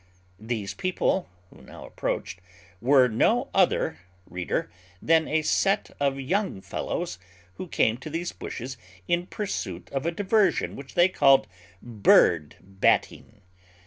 These people, who now approached, were no other, reader, than a set of young fellows, who came to these bushes in pursuit of a diversion which they call bird batting.